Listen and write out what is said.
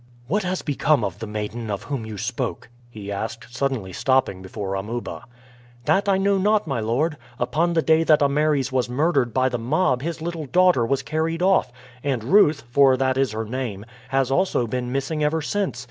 "What has become of the maiden of whom you spoke?" he asked, suddenly stopping before Amuba. "That I know not, my lord. Upon the day that Ameres was murdered by the mob his little daughter was carried off, and Ruth, for that is her name, has also been missing ever since.